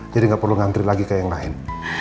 jadi gak perlu ngantri lagi ke yang lain